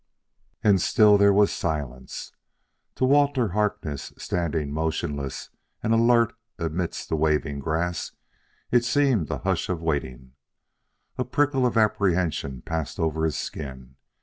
And still there was silence. To Walter Harkness, standing motionless and alert amidst the waving grass, it seemed a hush of waiting. A prickle of apprehension passed over his skin.